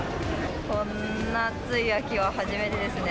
こんな暑い秋は初めてですね。